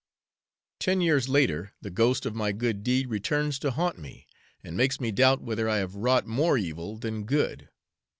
Ten years later, the ghost of my good deed returns to haunt me, and makes me doubt whether I have wrought more evil than good.